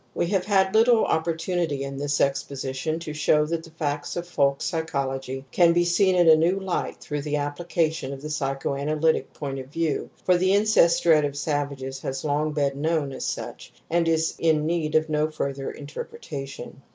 We have had little opportunity in this exposition to show that the facts of folk psycho logy can be seen in a new light through the appli cation of the psychoanalytic point of view, for the incest dread of savages has long been known as such, and is in need of no further interpreta tion.